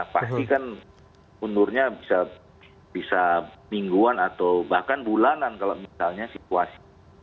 pasti kan undurnya bisa mingguan atau bahkan bulanan kalau misalnya situasi